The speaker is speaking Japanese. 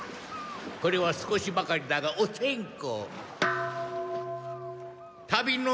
これは少しばかりだがおせん別。